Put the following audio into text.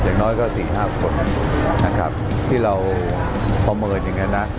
อย่างน้อยก็๔๕คนนะครับที่เราประเมินอย่างนั้นนะ